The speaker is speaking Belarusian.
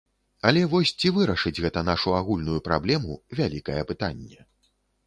Але вось ці вырашыць гэта нашу агульную праблему, вялікае пытанне.